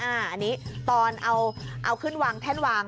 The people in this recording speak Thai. อันนี้ตอนเอาขึ้นวางแท่นวาง